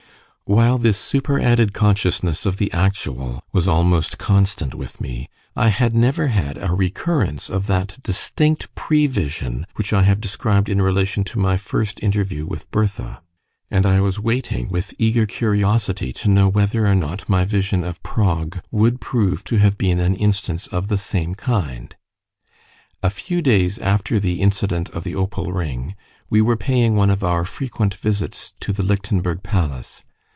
While this superadded consciousness of the actual was almost constant with me, I had never had a recurrence of that distinct prevision which I have described in relation to my first interview with Bertha; and I was waiting with eager curiosity to know whether or not my vision of Prague would prove to have been an instance of the same kind. A few days after the incident of the opal ring, we were paying one of our frequent visits to the Lichtenberg Palace.